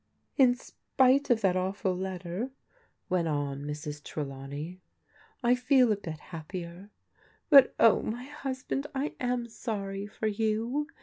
" In spite of that awful letter," went on Mrs. Trelaw ney, " I feel a bit happier. But oh, my husband, I am sorry for you.